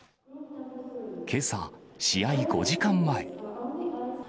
けさ、試合５時間前。